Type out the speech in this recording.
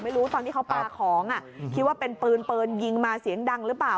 ตอนที่เขาปลาของคิดว่าเป็นปืนปืนยิงมาเสียงดังหรือเปล่า